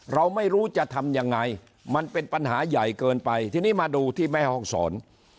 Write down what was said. เราไม่รู้จะทำยังไงมันเป็นปัญหาใหญ่เกินไปทีนี้มาดูที่แม่ห้องศร